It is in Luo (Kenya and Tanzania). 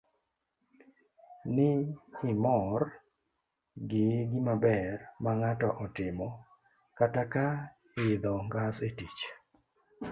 ni imor gi gimaber mang'ato otimo. kata ka idho ngas e tich,